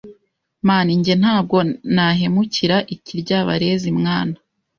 ”man, njye ntabwo nahemukira ikiryabarezi mwana